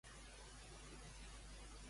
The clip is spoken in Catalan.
També va deixar el seu càrrec de Compromís?